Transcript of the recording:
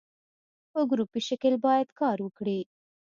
په ګروپي شکل باید کار وکړي.